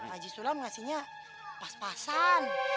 aji sula mengasihnya pas pasan